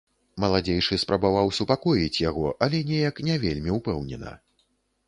Маладзейшы спрабаваў супакоіць яго, але неяк не вельмі ўпэўнена.